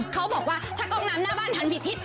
เขาบอกว่าถ้ากล้องน้ำหน้าบ้านทันผิดทิศ